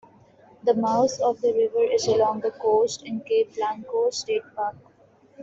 The mouth of the river is along the coast in Cape Blanco State Park.